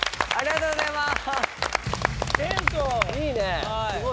ありがとうございます！